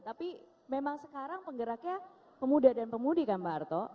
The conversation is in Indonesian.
tapi memang sekarang penggeraknya pemuda dan pemudi kan pak arto